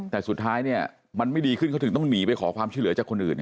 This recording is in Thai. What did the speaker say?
แต่สุดท้ายมันไม่ดีขึ้นเขาถึงต้องหนีไปขอความช่วยเหลือจากคนอื่น